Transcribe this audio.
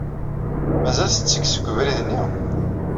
Mazal tettekk seg ubrid-nni?